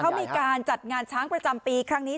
เขามีการจัดงานช้างประจำปีครั้งนี้